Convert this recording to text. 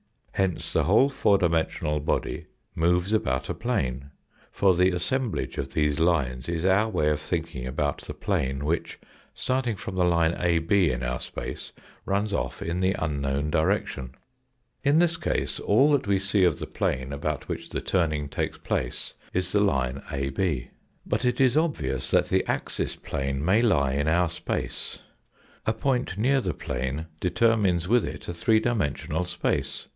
Hence the whole four dimensional body moves about a plane, for the assemblage of these lines is our way of thinking about the plane which, starting from the line AB in our space, runs off in the unknown direction. (>6 1HE FOURta DIMENSION In this case all that we see of the pjane about which the turning takes place is the line AB. But it is obvious that the axis plane may lie in our space. A point near the plane determines with it a three dimensional space.